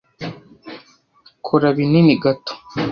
Kora binini gato.